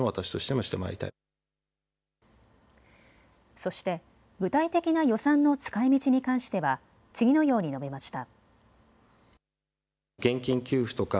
そして具体的な予算の使いみちに関しては次のように述べました。